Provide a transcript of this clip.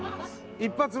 一発目。